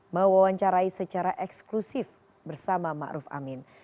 mewawancarai secara eksklusif bersama maruf amin